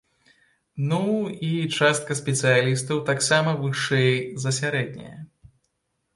Ну, і частка спецыялістаў таксама вышэй за сярэдняе.